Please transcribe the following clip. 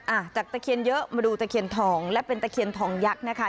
อ่ะจากตะเคียนเยอะมาดูตะเคียนทองและเป็นตะเคียนทองยักษ์นะคะ